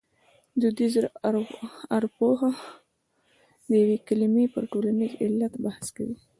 دودیزه ارپوهه د یوې کلمې پر ټولنیز علت بحث کوي